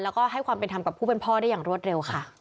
แล้วก็ให้ความเป็นธรรมกับผู้เป็นพ่อได้อย่างรวดเร็วค่ะ